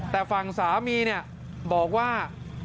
แต่ฝั่งสามีบอกว่า